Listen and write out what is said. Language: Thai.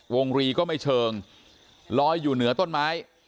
รีก็ไม่เชิงลอยอยู่เหนือต้นไม้